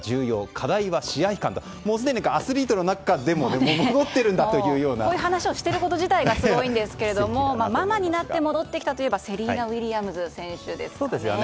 課題は試合勘だとすでにアスリートの中でもこういう話をしていること自体がすごいんですがママになって戻ってきたといえばセリーナ・ウィリアムズ選手ですよね。